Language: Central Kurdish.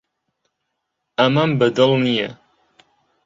ئەمەم بەدڵ نییە.